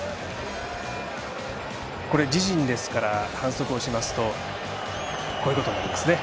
自陣ですから反則をしますとこういうことになりますね。